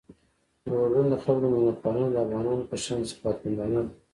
د اردن د خلکو میلمه پالنه د افغانانو په شان سخاوتمندانه ده.